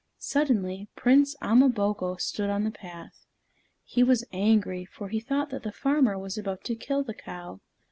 Suddenly, Prince Ama boko stood in the path. He was angry, for he thought that the farmer was about to kill the cow.